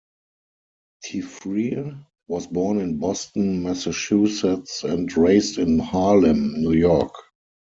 Tifrere was born in Boston, Massachusetts and raised in Harlem, New York.